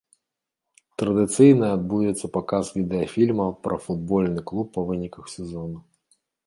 Традыцыйна адбудзецца паказ відэафільма пра футбольны клуб па выніках сезона.